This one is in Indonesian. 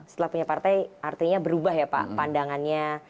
setelah punya partai artinya berubah ya pak pandangannya